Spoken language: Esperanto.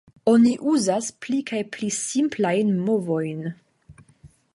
Oni uzas pli kaj pli simplajn movojn.